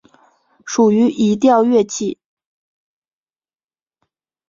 属于移调乐器。